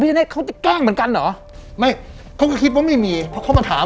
จะได้เขาจะแกล้งเหมือนกันเหรอไม่เขาก็คิดว่าไม่มีเพราะเขามาถาม